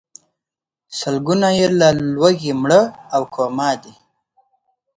سلګونه یې له لوږې مړه او کوما دي.